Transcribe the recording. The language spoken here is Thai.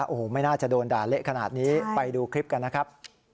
โอ้โหไม่น่าจะโดนด่าเละขนาดนี้ไปดูคลิปกันนะครับ